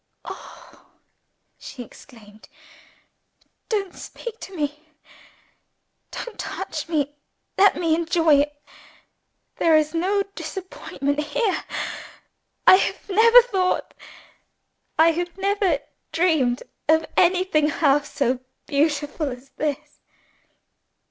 "Oh!" she exclaimed, "don't speak to me! don't touch me! let me enjoy it! There is no disappointment here. I have never thought, I have never dreamed, of anything half so beautiful as _this!